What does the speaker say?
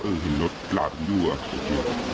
เอ๊ะเห็นรถลาบอยู่ฟัด